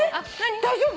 大丈夫！？